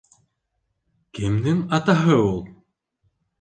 «КЕМДЕҢ АТАҺЫ УЛ?»